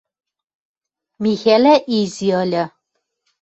Михӓлӓ изи ыльы